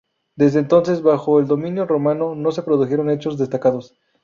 Desde entonces, bajo dominio romano, no se produjeron hechos destacados.